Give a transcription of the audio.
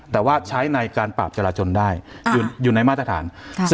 แต่ว่าใช้ในการปราบจราจนได้อยู่ในมาตรฐาน